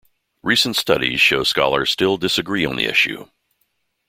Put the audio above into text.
Recent studies show scholars still disagree on the issue.